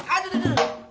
aduh aduh aduh